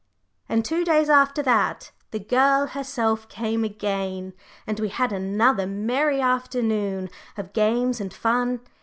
And two days after that, the girl herself came again, and we had another merry afternoon of games and fun.